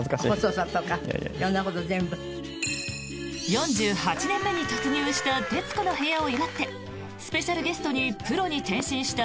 ４８年目に突入した「徹子の部屋」を祝ってスペシャルゲストにプロに転身した